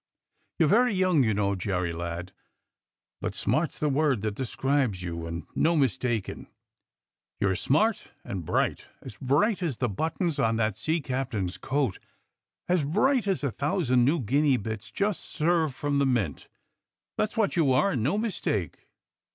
You're very young, you know, Jerry lad, but smart's the word that de scribes you, and no mistaking. You're smart and bright — as bright as the buttons on that sea captain's coat — as bright as a thousand new guinea bits just served from the mint — that's what you are, and no mistake!"